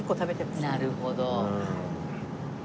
なるほど。